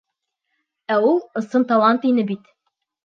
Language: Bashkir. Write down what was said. Ә ул ысын талант ине бит!